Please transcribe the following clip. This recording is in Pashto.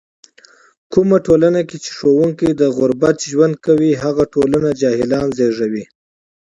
کومه ټولنه کې چې ښوونکی د غربت ژوند کوي، هغه ټولنه جاهلان زږوي.